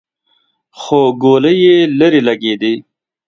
خو ګولۍ يې ليرې لګېدې.